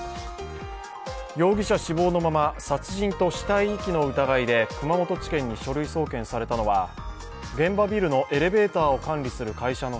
容疑者死亡のまま殺人と死体遺棄の疑いで熊本地検に書類送検されたのは現場ビルのエレベーターを管理する会社の